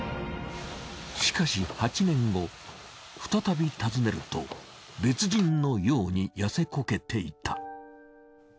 しかし８年後再び訪ねると別人のようにやせこけていた。